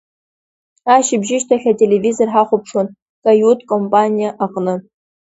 Ашьыбжьышьҭахь ателевизор ҳахәаԥшуан каиут-компаниа аҟны.